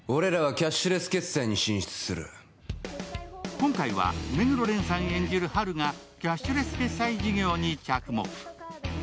今回は、目黒蓮さん演じるハルがキャッシュレス決済事業に着目。